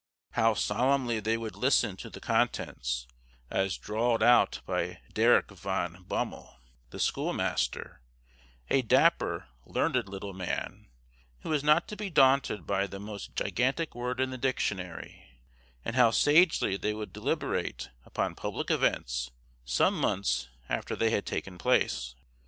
How solemnly they would listen to the contents, as drawled out by Derrick Van Bummel, the school master, a dapper learned little man, who was not to be daunted by the most gigantic word in the dictionary; and how sagely they would deliberate upon public events some months after they had taken place.